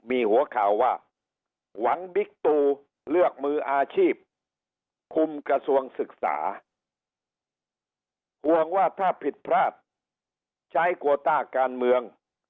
มีหัวข่าวว่าหวังบิ๊กตูเลือกมืออาชีพคุมกระทรวงศึกษาห่วงว่าถ้าผิดพลาดใช้โกต้าการเมือง